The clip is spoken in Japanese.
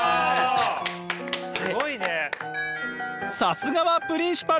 さすがはプリンシパル！